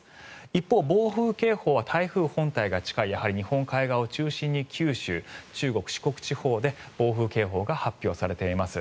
一方、暴風警報は台風本体が近い日本海側を中心に九州、中国・四国地方で暴風警報が発表されています。